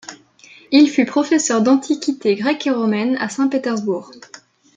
Il fut professeur d'antiquités grecques et romaines à Saint-Pétersbourg.